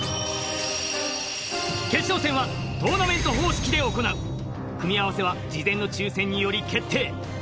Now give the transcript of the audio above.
決勝戦はトーナメント方式で行う組み合わせは事前の抽選により決定